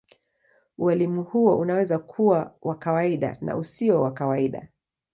Ualimu huo unaweza kuwa wa kawaida na usio wa kawaida.